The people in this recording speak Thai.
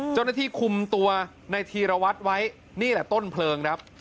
เจ้าหน้าที่คุมตัวในธีรวัตรไว้นี่แหละต้นเพลิงครับ